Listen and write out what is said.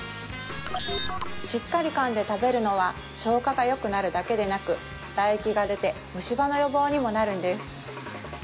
しっかり噛んで食べるのは消化がよくなるだけでなく唾液が出て虫歯の予防にもなるんです